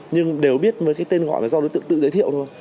nhưng đều biết với cái tên gọi là do đối tượng tự giới thiệu thôi